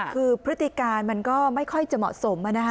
คือพฤติการมันก็ไม่ค่อยจะเหมาะสม